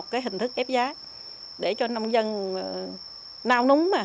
cái hình thức ép giá để cho nông dân nao núng mà